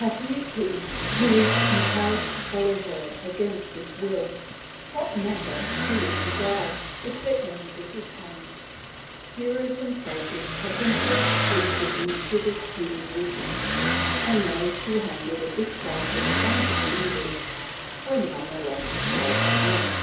Happy is he who is compelled to follow her against his will! What matter who is the guide, if the end is attained. Heroes and sages have themselves paid tribute to this human weakness; and those who handled the distaff with clumsy fingers were none the less great men.